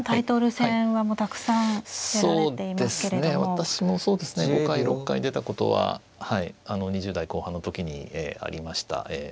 私もそうですね５回６回出たことははい２０代後半の時にありました。